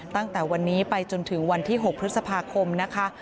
ตั้งแต่วันนี้ไปจนถึงวันที่๖พฤษภาคมนะคะ